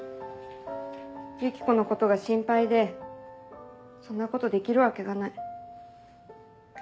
ユキコのことが心配でそんなことできるわけがない。